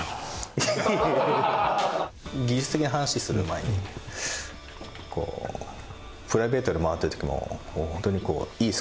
技術的な話する前にプライベートで回ってる時も本当にいいスコア